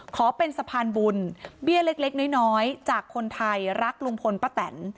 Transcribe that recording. ขอเป็นสะพานบุญเบี้ยเล็กน้อยจากคนไทยรักลุงพลป้าแตน